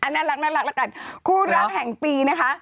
น่ารักคู่รักแห่งปีนะคะ